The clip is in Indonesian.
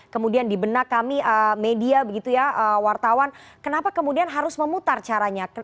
kemudian di benak kami media begitu ya wartawan kenapa kemudian harus memutar caranya